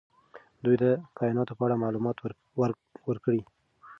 دوی ته د کائناتو په اړه معلومات ورکړئ.